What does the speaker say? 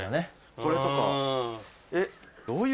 これとか。